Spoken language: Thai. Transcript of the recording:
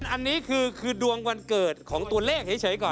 อันนี้คือดวงวันเกิดของตัวเลขเฉยก่อน